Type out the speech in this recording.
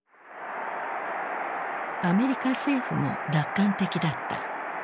アメリカ政府も楽観的だった。